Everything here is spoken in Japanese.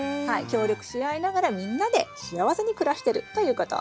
協力し合いながらみんなで幸せに暮らしてるということ。